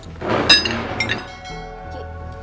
ki jangan berlalu